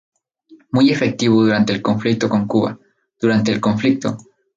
Muy efectivo durante el conflicto con Cuba, durante el conflicto.